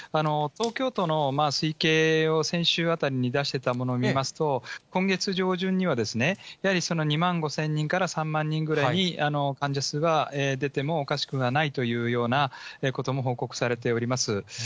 東京都の推計を、先週あたりに出してたものを見ますと、今月上旬には、やはり、２万５０００人から３万人ぐらいに、患者数が出てもおかしくはないというようなことも報告されています。